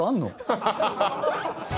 ハハハハ！